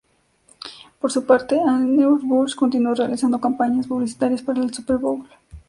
Por su parte, Anheuser-Busch continuó realizando campañas publicitarias para el "Super Bowl".